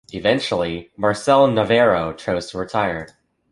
Eventually, Marcel Navarro chose to retire.